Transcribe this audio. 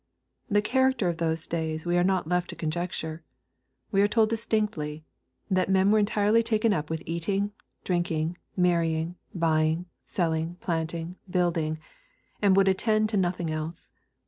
The character of those days we are not left to conjecture. We are told distinctly, that men were entirely taken up with eating, drinking, marrying, buy ing, selling, planting, building, — and would attend to nothing else.